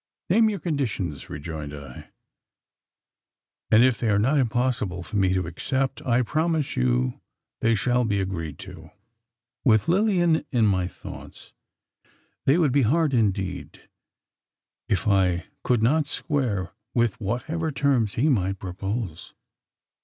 "Name your conditions!" rejoined I, "and if they are not impossible for me to accept, I promise you they shall be agreed to." With Lilian in my thoughts, they would be hard indeed if I could not square with whatever terms he might propose.